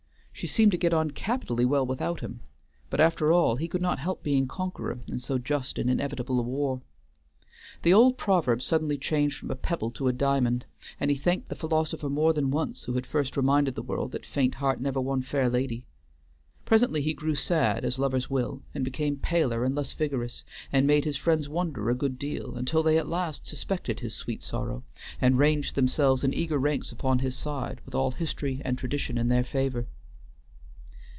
She seemed to get on capitally well without him, but after all he could not help being conqueror in so just and inevitable a war. The old proverb suddenly changed from a pebble to a diamond, and he thanked the philosopher more than once who had first reminded the world that faint heart ne'er won fair lady; presently he grew sad, as lovers will, and became paler and less vigorous, and made his friends wonder a good deal, until they at last suspected his sweet sorrow, and ranged themselves in eager ranks upon his side, with all history and tradition in their favor.